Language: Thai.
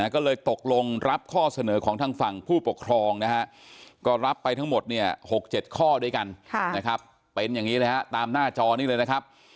ก็เลยตกลงรับข้อเสนอของทางฝั่งผู้ปกครองนะฮะก็รับไปทั้งหมดเนี่ย๖๗ข้อด้วยกันนะครับเป็นอย่างนี้เลยฮะตามหน้าจอนี้เลยนะครับ